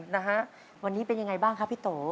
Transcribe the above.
นะฮะวันนี้เป็นยังไงบ้างครับพี่โต